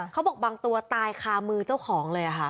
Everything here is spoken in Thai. เขาบอกบางตัวตายคามือเจ้าของเลยค่ะ